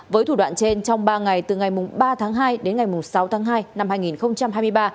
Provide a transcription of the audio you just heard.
với thủ đoạn trên trong ba ngày từ ngày ba tháng hai đến ngày sáu tháng hai năm hai nghìn hai mươi ba